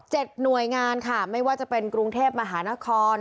หน่วยงานค่ะไม่ว่าจะเป็นกรุงเทพมหานคร